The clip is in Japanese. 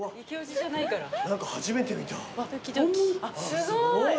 すごい！